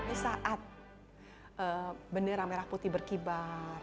di saat bendera merah putih berkibar